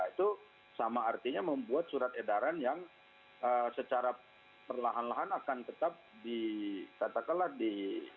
itu sama artinya membuat surat edaran yang secara perlahan lahan akan tetap dikatakanlah di